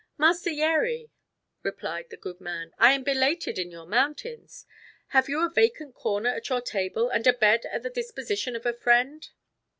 "Master Yeri," replied the good man, "I am belated in your mountains. Have you a vacant corner at your table and a bed at the disposition of a friend?"